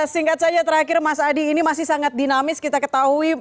singkat saja terakhir mas adi ini masih sangat dinamis kita ketahui